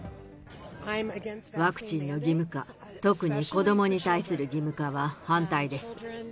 ワクチンの義務化、特に子どもに対する義務化は反対です。